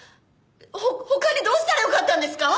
ほ他にどうしたらよかったんですか！？